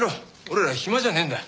俺らは暇じゃねえんだ。